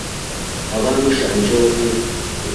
Wavanda sha njofu.